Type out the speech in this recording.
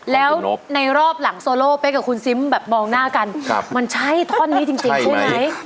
แล้วในรอบหลังโซโลเป๊กกับคุณซิมแบบมองหน้ากันมันใช่ท่อนนี้จริงใช่ไหม